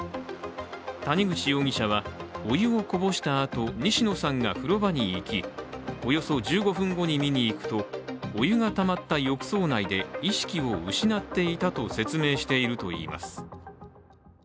谷口容疑者はお湯をこぼしたあと、西野さんが風呂場に行きおよそ１５分後に見に行くとお湯がたまった浴槽内で意識を失っていたと説明しているといいます。